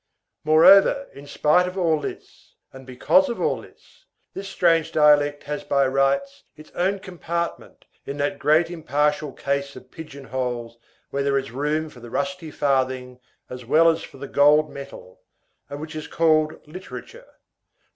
Moreover, in spite of all this, and because of all this, this strange dialect has by rights, its own compartment in that great impartial case of pigeon holes where there is room for the rusty farthing as well as for the gold medal, and which is called literature.